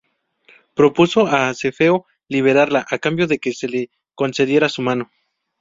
Propuso a Cefeo liberarla, a cambio de que se le concediera su mano.